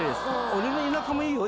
俺の田舎もいいよ